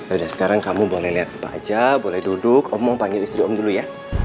udah sekarang kamu boleh lihat apa aja boleh duduk omong panggil istri om dulu ya